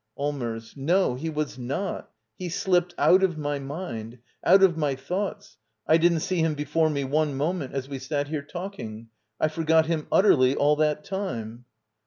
Allmers. No, he was not. He slipped out of my mind — out of my thoughts. I didn't see him before me one moment as we sat here talking. I forgot him utterly all that time.